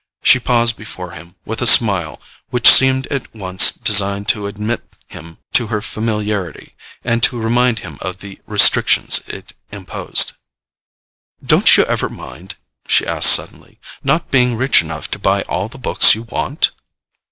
She paused before him with a smile which seemed at once designed to admit him to her familiarity, and to remind him of the restrictions it imposed. "Don't you ever mind," she asked suddenly, "not being rich enough to buy all the books you want?"